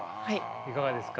いかがですか？